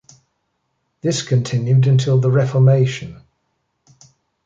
This continued until the Reformation.